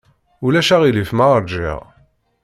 Ulac aɣilif ma ṛjiɣ.